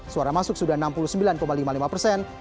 suara masuk sudah enam puluh sembilan lima puluh lima persen